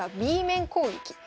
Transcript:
Ｂ面攻撃。